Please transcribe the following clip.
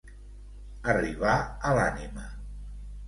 Arribar a l'ànima.